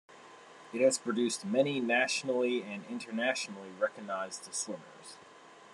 It has produced many nationally and internationally recognised swimmers.